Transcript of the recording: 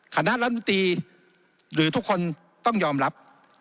คณะรัฐมนตรีหรือทุกคนต้องยอมรับ